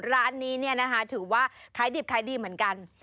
ร้านนี้นะคะถือว่าคล้ายดิบคล้ายดีเหมือนกัน